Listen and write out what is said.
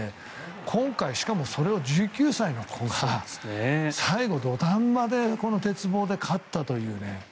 今回、しかもそれを１９歳の子が最後、土壇場でこの鉄棒で勝ったというね。